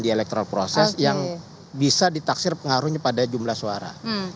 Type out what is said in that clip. di electoral proses yang bisa ditaksir pengaruhnya pada jumlah suara